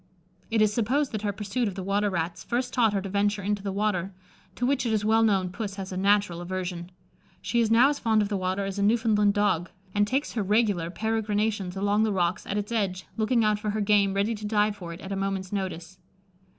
It is supposed that her pursuit of the water rats first taught her to venture into the water, to which it is well known Puss has a natural aversion. She is now as fond of the water as a Newfoundland dog, and takes her regular peregrinations along the rocks at its edge, looking out for her game ready to dive for it at a moment's notice."